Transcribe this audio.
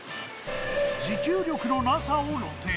持久力のなさを露呈。